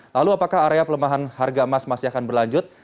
lalu apakah area pelemahan harga emas masih akan berlanjut